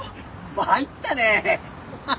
参ったねハハハ。